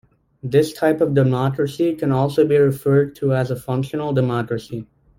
This type of democracy can also be referred to as a functional democracy.